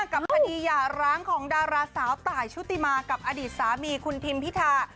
กับคดีหย่าร้างของดาราสาวตายชุติมากับอดีตสามีคุณทิมพิธา